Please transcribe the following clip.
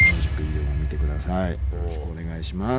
よろしくお願いします。